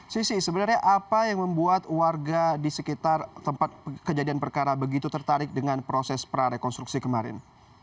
sisi sebenarnya apa yang membuat warga di sekitar tempat kejadian perkara begitu tertarik dengan proses prarekonstruksi kemarin